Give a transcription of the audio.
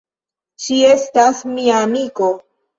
Ŝi estas mia amiko.